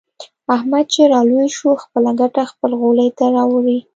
احمد چې را لوی شو. خپله ګټه خپل غولي ته راوړي.